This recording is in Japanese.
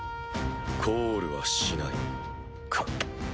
コールはしないか。